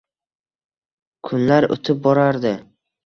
Kunlar o`tib borardi